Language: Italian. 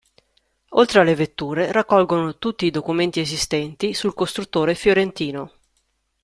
Oltre alle vetture raccolgono tutti i documenti esistenti sul costruttore fiorentino.